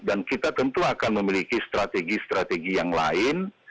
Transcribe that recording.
dan kita tentu akan memiliki strategi strategi yang lain